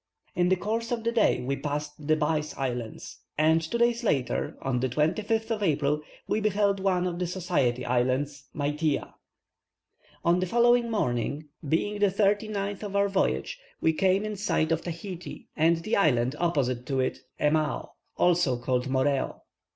In the course of the day we passed the Bice Islands, and two days later, on the 25th of April, we beheld one of the Society Islands, Maithia. On the following morning, being the thirty ninth of our voyage, we came in sight of Tahiti, and the island opposite to it, Emao, also called Moreo.